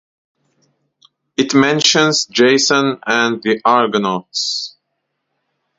It mentions Jason and the Argonauts.